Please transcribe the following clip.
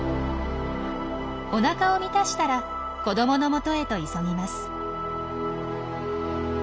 おなかを満たしたら子どものもとへと急ぎます。